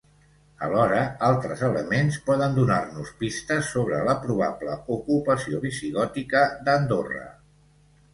Alhora altres elements poden donar-nos pistes sobre la probable ocupació visigòtica d'Andorra.